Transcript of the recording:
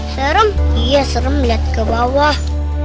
serem iya serem lihat ke bawah